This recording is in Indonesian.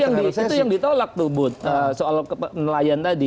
nah itu yang ditolak tuh bud soal nelayan tadi